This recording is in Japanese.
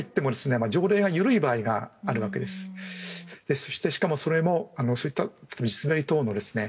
そしてしかもそういった地滑り等のですね